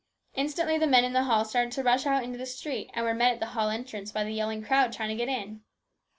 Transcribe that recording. Instantly the men in the hall started to rush out into the street, and were met at the hall entrance by the yelling crowd trying to get in.